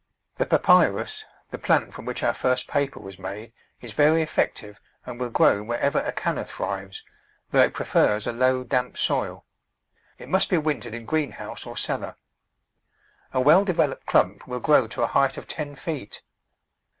The Papyrus — the plant from which our first paper was made — is very effective and will grow wherever a Canna thrives, though it prefers a low, damp soil. It must be wintered in greenhouse or cellar. A well developed clump will grow to a height of ten feet.